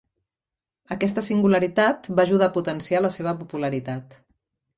Aquesta singularitat va ajudar a potenciar la seva popularitat.